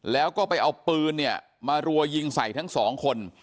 แล้วก็ไปเอาปืนเนี่ยมารัวยิงใส่ทั้งสองคน